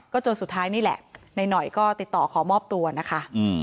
จนสุดท้ายนี่แหละนายหน่อยก็ติดต่อขอมอบตัวนะคะ